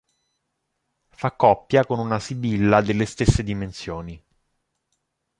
Fa coppia con una "Sibilla" delle stesse dimensioni.